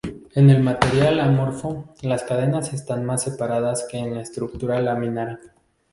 En el material amorfo, las cadenas están más separadas que en la estructura laminar.